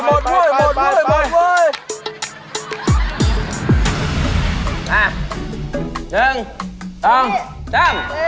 มา๑๒๓